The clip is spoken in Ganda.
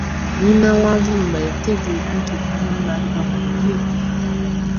Nnyina wa Mulumba yategeera nti omwana we baali bamubbye.